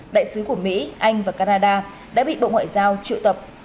đại sứ của mỹ anh và canada đã bị bộ ngoại giao triệu tập